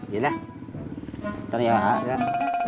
bentar ya pak